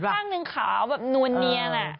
ข้างหนึ่งขาวแบบนวลเนียแหละ